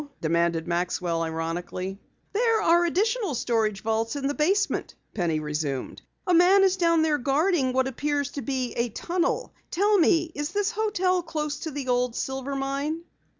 demanded Maxwell ironically. "There are additional storage vaults in the basement," Penny resumed. "A man is down there guarding what appears to be a tunnel. Tell me, is this hotel close to the old silver mine?"